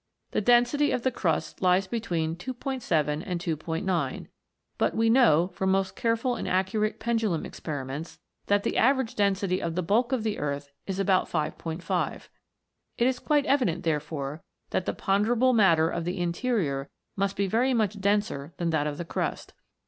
The density of the crust lies between 2'7 and 2'9 ; but we know, from most careful and accu rate pendulum experiments, that the average density of the bulk of the earth is about 5 5. It is quite evident, therefore, that the ponderable matter of the interior must be very much denser than that of 288 PLUTO'S KINGDOM. the crust.